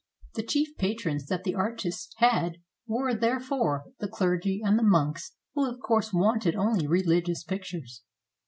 The chief patrons that the artists had were, therefore, the clergy and the monks, who of course wanted only religious pictures.